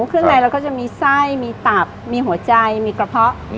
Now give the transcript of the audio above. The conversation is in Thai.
เครื่องในเราก็จะมีไส้มีตับมีหัวใจมีกระเพาะ